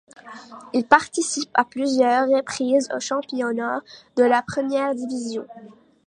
Il participe à plusieurs reprises au championnat de première division.